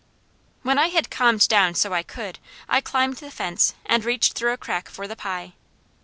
When I had calmed down so I could, I climbed the fence, and reached through a crack for the pie.